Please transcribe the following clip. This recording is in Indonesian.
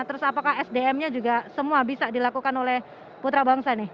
terus apakah sdm nya juga semua bisa dilakukan oleh putra bangsa nih